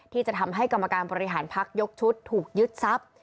ที่จะทำให้กรรมการบริหารพักยกชุดถูกยึดทรัพย์